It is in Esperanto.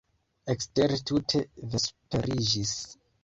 Ekstere tute vesperiĝis.